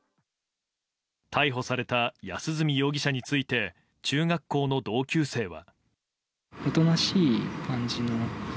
逮捕された安栖容疑者について中学校の同級生は。